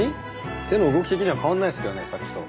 手の動き的には変わんないっすけどねさっきと。